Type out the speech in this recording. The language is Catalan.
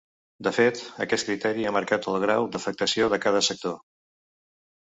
De fet, aquest criteri ha marcat el grau d’afectació de cada sector.